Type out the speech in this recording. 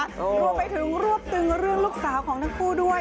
รวมไปถึงรวบตึงเรื่องลูกสาวของทั้งคู่ด้วย